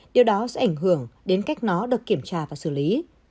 điều đó sẽ ảnh hưởng đến cách nó được kiểm tra và xử lý